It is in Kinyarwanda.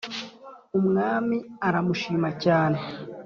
umwami aramushimacyane